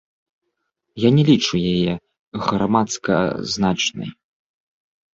Я не лічу яе грамадска значнай.